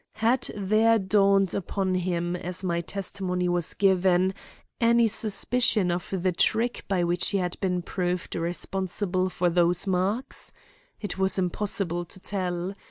Had there dawned upon him as my testimony was given any suspicion of the trick by which he had been proved responsible for those marks? It was impossible to tell.